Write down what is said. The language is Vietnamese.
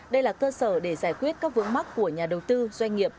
đây là cơ sở để giải quyết các vướng mắc của nhà đầu tư doanh nghiệp